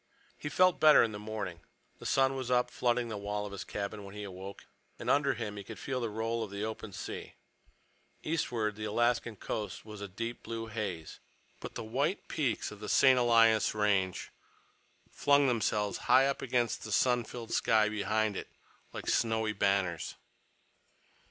He felt better in the morning. The sun was up, flooding the wall of his cabin, when he awoke, and under him he could feel the roll of the open sea. Eastward the Alaskan coast was a deep blue haze, but the white peaks of the St. Elias Range flung themselves high up against the sun filled sky behind it, like snowy banners.